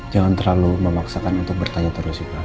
jangan terlalu memaksakan untuk bertanya terus juga